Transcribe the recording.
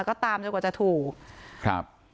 ก็ตามจนกว่าจะถูกครับ